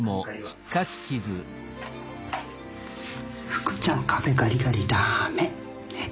ふくちゃん壁ガリガリだめねっ。